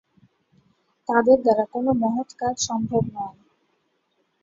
তাদের দ্বারা কোনো মহৎ কাজ সম্ভব নয়।